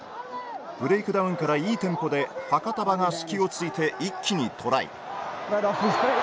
ブレイクダウンからいいテンポでファカタヴァが隙をついて一気にトライ。